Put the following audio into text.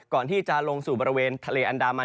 ก่อนที่จะลงสู่บริเวณทะเลอันดามัน